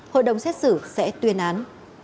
hội đồng xét xử sẽ tuyên án